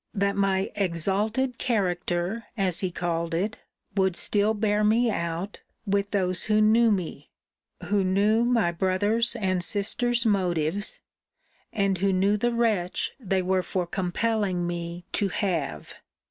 That my exalted character, as he called it, would still bear me out, with those who knew me; who knew my brother's and sister's motives; and who knew the wretch they were for compelling me to have.